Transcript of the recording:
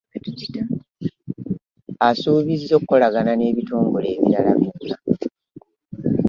Asuubiza okukolagana n'ebitongole ebirala byonna